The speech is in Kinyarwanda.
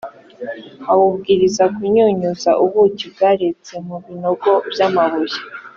awubwiriza kunyunyuza ubuki bwaretse mu binogo by’amabuye.